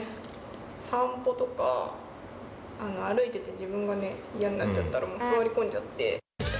散歩とか、歩いてて自分がね、嫌になっちゃったら、もう座り込んじゃって。